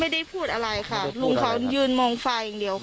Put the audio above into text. ไม่ได้พูดอะไรค่ะลุงเขายืนมองไฟอย่างเดียวค่ะ